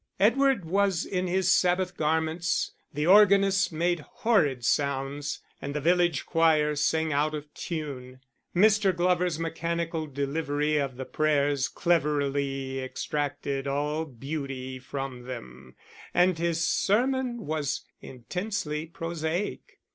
Edward was in his Sabbath garments, the organist made horrid sounds, and the village choir sang out of tune; Mr. Glover's mechanical delivery of the prayers cleverly extracted all beauty from them, and his sermon was intensely prosaic.